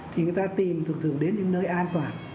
thì chúng ta tìm thường thường đến những nơi an toàn